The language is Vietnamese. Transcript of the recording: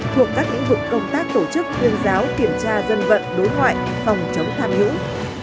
thuộc các lĩnh vực công tác tổ chức tuyên giáo kiểm tra dân vận đối ngoại phòng chống tham nhũng